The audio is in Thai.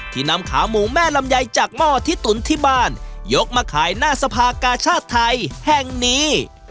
นำขาหมูแม่ลำไยจากหม้อที่ตุ๋นที่บ้านยกมาขายหน้าสภากาชาติไทยแห่งนี้